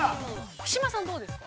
◆木嶋さん、どうですか。